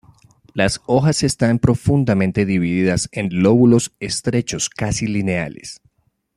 Las hojas están profundamente divididas en lóbulos estrechos casi lineales.